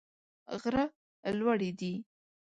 غره لوړي دي.